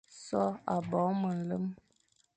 So a bo me nlem,